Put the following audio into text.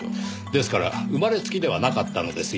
ですから生まれつきではなかったのですよ。